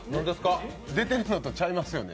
出てるのとちゃいますね。